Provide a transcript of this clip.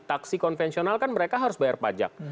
taksi konvensional kan mereka harus bayar pajak